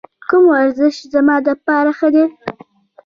کوم ورزش زما لپاره ښه دی؟